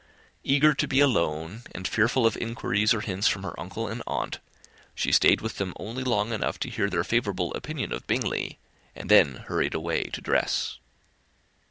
Eager to be alone, and fearful of inquiries or hints from her uncle and aunt, she stayed with them only long enough to hear their favourable opinion of Bingley, and then hurried away to dress.